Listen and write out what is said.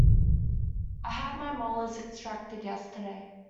I had my molars extracted yesterday.